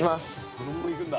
そのままいくんだ。